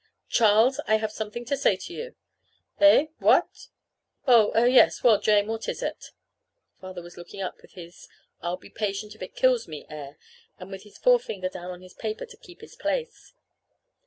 "Charles, I have something to say to you." "Eh? What? Oh er yes. Well, Jane, what is it?" Father was looking up with his I'll be patient if it kills me air, and with his forefinger down on his paper to keep his place.